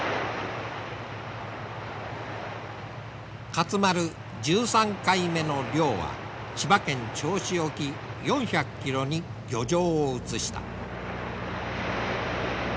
勝丸１３回目の漁は千葉県銚子沖４００キロに漁場を移した。